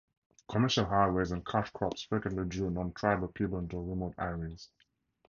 Commercial highways and cash crops frequently drew non-tribal people into remote areas.